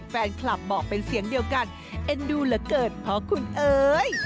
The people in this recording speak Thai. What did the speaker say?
แฟนคลับบอกเป็นเสียงเดียวกันเอ็นดูเหลือเกินเพราะคุณเอ๋ย